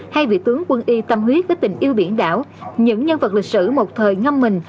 hay vị tướng quân y tâm huyết với tình yêu biển đảo những nhân vật lịch sử một thời ngâm mình